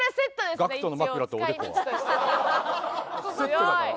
セットだから。